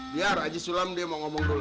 biar aji sulam dia mau ngomong dulu